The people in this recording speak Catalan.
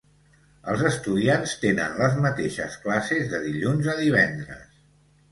Els estudiants tenen les mateixes classes de dilluns a divendres.